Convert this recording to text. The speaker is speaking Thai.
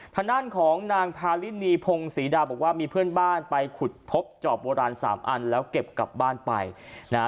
ทางด้านของนางพาลินีพงศรีดาบอกว่ามีเพื่อนบ้านไปขุดพบจอบโบราณสามอันแล้วเก็บกลับบ้านไปนะฮะ